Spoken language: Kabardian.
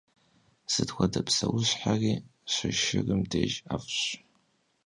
Сыт хуэдэ псэущхьэри щышырым деж ӏэфӏщ.